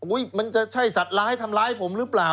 มันจะใช่สัตว์ร้ายทำร้ายผมหรือเปล่า